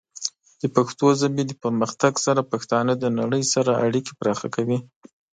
د پښتو ژبې د پرمختګ سره، پښتانه د نړۍ سره اړیکې پراخه کوي.